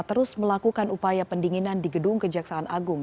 terus melakukan upaya pendinginan di gedung kejaksaan agung